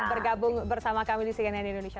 bergabung bersama kami di cnn indonesia